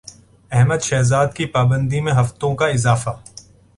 احمد شہزاد کی پابندی میں ہفتوں کا اضافہ